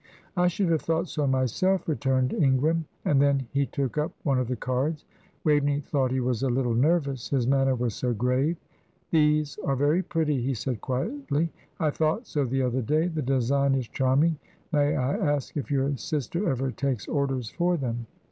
"I should have thought so myself," returned Ingram; and then he took up one of the cards. Waveney thought he was a little nervous his manner was so grave. "These are very pretty," he said, quietly. "I thought so the other day. The design is charming. May I ask if your sister ever takes orders for them?"